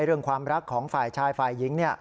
เรื่องความรักของฝ่ายชายฝ่ายหญิง